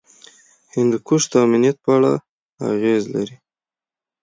هندوکش د امنیت په اړه اغېز لري.